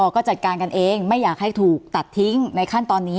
ก็จัดการกันเองไม่อยากให้ถูกตัดทิ้งในขั้นตอนนี้